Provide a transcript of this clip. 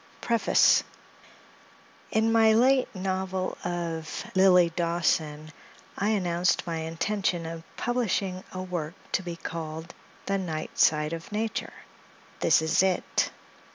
IN my late novel of "Lilly Dawson," I announced my intention of publishing a work to be called "The Night Side of Nature;" this is it.